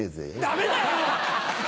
ダメだよ